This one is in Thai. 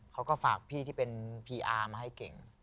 เขาก็ฝากพี่ที่เป็นพีอาร์มาให้เก่ง